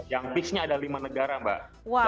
yang pixnya ada lima negara mbak